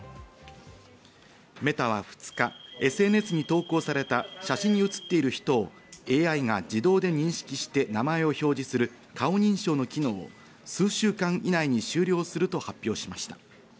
Ｍｅｔａは２日、ＳＮＳに投稿された写真に写っている人をＡＩが自動で認識して名前を表示する顔認証の機能を数週間以内に終了すると発表しました。